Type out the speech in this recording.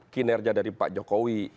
kinerja dari pak jokowi